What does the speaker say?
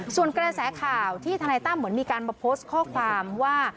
ส่วนกระแสข่าวที่ธนายตั้มเหมือนมีการมาโพสต์ข้อความว่า